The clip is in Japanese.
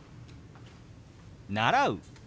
「習う」。